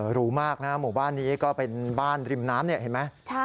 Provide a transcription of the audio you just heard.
หรูมากนะหมู่บ้านนี้ก็เป็นบ้านริมน้ำเห็นไหม